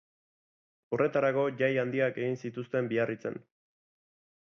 Horretarako jai handiak egin zituzten Biarritzen.